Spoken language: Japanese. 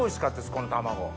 この卵。